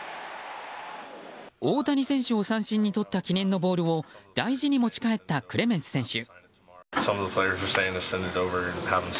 大谷選手を三振にとった記念のボールを大事に持ち帰ったクレメンス選手。